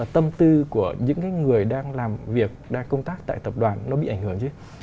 tâm tư của những người đang làm việc đang công tác tại tập đoàn nó bị ảnh hưởng chứ